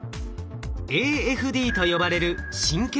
「ＡＦＤ」と呼ばれる神経細胞です。